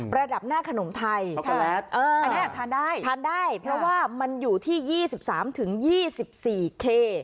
ประดับหน้าขนมไทยอันนี้ทานได้ทานได้เพราะว่ามันอยู่ที่ยี่สิบสามถึงยี่สิบสี่เค